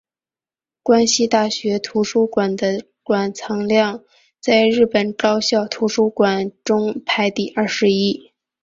关西大学图书馆的馆藏量在日本高校图书馆中排名第二十一。